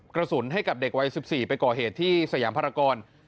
กระสุนให้กับเด็กวัย๑๔ไปก่อเหตุที่สยามภารกร